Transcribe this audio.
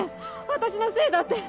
私のせいだって！